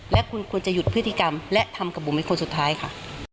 และคุณควรจะหยุดพฤติกรรมและทำกับบุ๋มเป็นคนสุดท้ายค่ะ